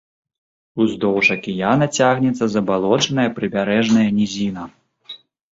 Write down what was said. Уздоўж акіяна цягнецца забалочаная прыбярэжная нізіна.